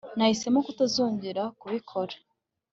nahisemo kutazongera kubikora